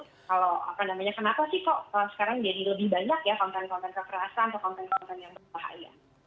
kalau apa namanya kenapa sih kok sekarang jadi lebih banyak ya konten konten kekerasan atau konten konten yang berbahaya